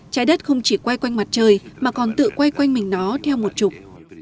trái đất không chỉ quay quanh mặt trời mà còn tự quay quanh mình nó theo một trục